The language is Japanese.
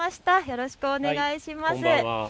よろしくお願いします。